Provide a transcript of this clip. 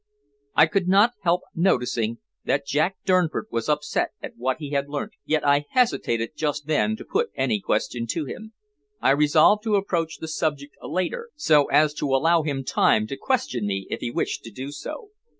I could not help noticing that Jack Durnford was upset at what he had learnt, yet I hesitated just then to put any question to him. I resolved to approach the subject later, so as to allow him time to question me if he wished to do so.